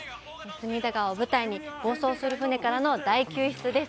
隅田川を舞台に暴走する船からの大救出です。